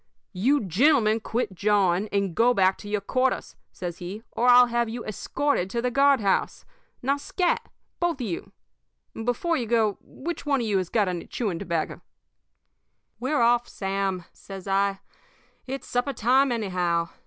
"'You gentlemen quit jawing and go back to your quarters,' says he, 'or I'll have you escorted to the guard house. Now, scat, both of you! Before you go, which one of you has got any chewing tobacco?' "'We're off, Sam,' says I. 'It's supper time, anyhow.